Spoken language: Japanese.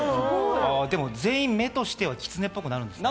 全員、目としてはキツネっぽくなるんですね。